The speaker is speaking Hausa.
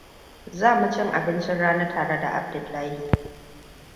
Za mu cin abincin rana tare da Abdullahi.